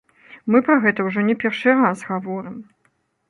Мы пра гэта ўжо не першы раз гаворым.